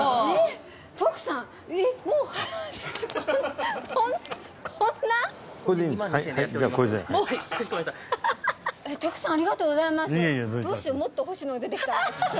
えっ徳さんありがとうございます。